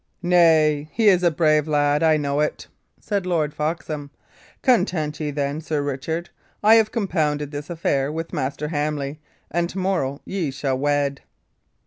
"Nay, he is a brave lad I know it," said Lord Foxham. "Content ye, then, Sir Richard. I have compounded this affair with Master Hamley, and to morrow ye shall wed."